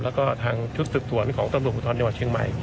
แล้วก็ทางชุดสืบสวนของตำรวจภูทรจังหวัดเชียงใหม่